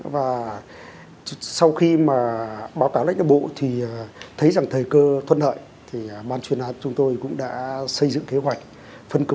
và xuất nhập khẩu skyhouse để vận chuyển ra hải phòng tiêu thụ